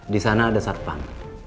di sana ada satpan